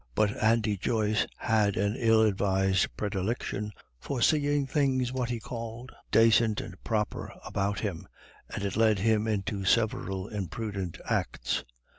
But Andy Joyce had an ill advised predilection for seeing things what he called "dacint and proper" about him, and it led him into several imprudent acts.